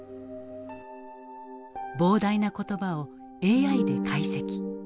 膨大な言葉をＡＩで解析。